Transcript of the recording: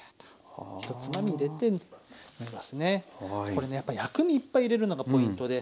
これねやっぱ薬味いっぱい入れるのがポイントで。